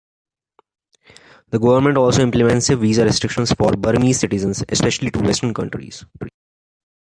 The government also implemented extensive visa restrictions for Burmese citizens, especially to Western countries.